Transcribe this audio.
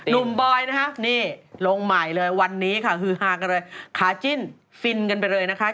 บอยนะคะนี่ลงใหม่เลยวันนี้ค่ะฮือฮากันเลยขาจิ้นฟินกันไปเลยนะคะ